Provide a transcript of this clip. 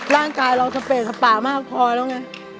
ร่างกายเราสเปสปะมากพอแล้วไง